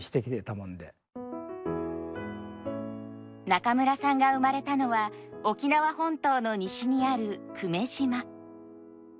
中村さんが生まれたのは沖縄本島の西にある久米島。